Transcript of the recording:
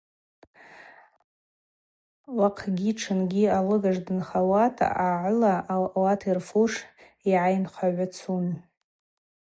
Уахъгьи тшынгьи алыгажв дынхунта агӏыла ауат йырфуш гӏайынхагӏвацун.